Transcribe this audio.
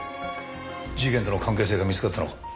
事件との関係性が見つかったのか？